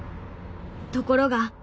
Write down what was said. ところが。